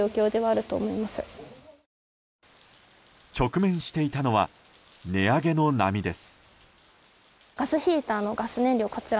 直面していたのは値上げの波です。